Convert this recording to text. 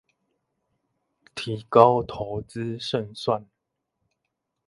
提高投資勝算